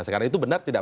sekarang itu benar tidak